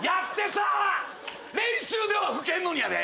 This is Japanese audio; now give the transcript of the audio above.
練習では吹けんのにやで？